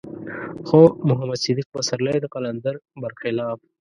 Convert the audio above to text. خو محمد صديق پسرلی د قلندر بر خلاف.